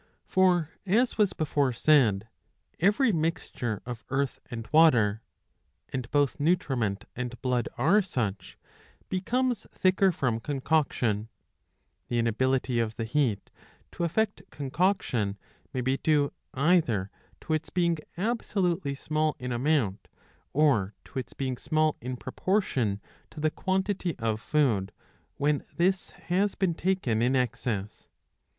For, as was before said, every mixture of earth and water — and both nutriment and blood are such — becomes thicker from concoction ^"^ The inability of the heat to effect concoction may be due either to its being absolutely small in amount, or to its being small in proportion to the quantity of food, when this has been taken in excess.